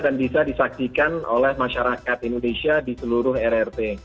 dan bisa disaksikan oleh masyarakat indonesia di seluruh rrt